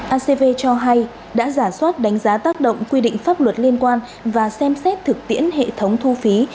acv cho hay đã giả soát đánh giá tác động quy định pháp luật liên quan và xem xét thực tiễn hệ thống thu phí